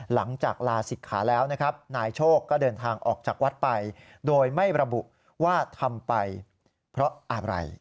หลังจากลาศิกขาแล้วนะครับนายโชคก็เดินทางออกจากวัดไปโดยไม่ระบุว่าทำไปเพราะอะไร